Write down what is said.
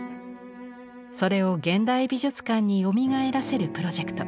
それを現代美術館によみがえらせるプロジェクト。